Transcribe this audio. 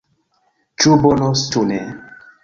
Ĉu bonos, ĉu ne.